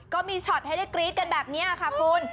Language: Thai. ก็มีช็อตให้ได้กรี๊ดกันแบบนี้ค่ะคุณ